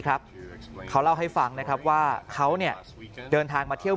ครับเขาเล่าให้ฟังนะครับว่าเขาเนี่ยเดินทางมาเที่ยว